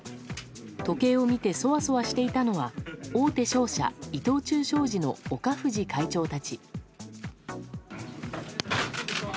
時計を見てそわそわしていたのは大手商社、伊藤忠商事の岡藤会長たち。